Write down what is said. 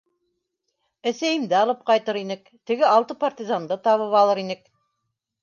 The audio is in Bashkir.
— Әсәйемде алып ҡайтыр инек, теге алты партизанды табып алыр инек.